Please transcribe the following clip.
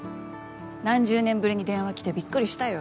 何十年ぶりに電話来てびっくりしたよ。